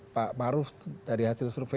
pak maruf dari hasil survei